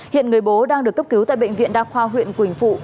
hiện người bố đang được cấp cứu tại bệnh viện đa khoa huyện quỳnh phụ